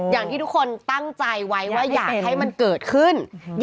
อย่างที่ทุกคนตั้งใจไว้ว่าอยากให้มันเกิดขึ้น